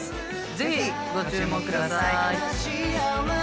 ぜひご注目ください。